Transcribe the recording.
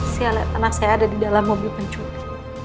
saya lihat anak saya ada di dalam mobil pencuri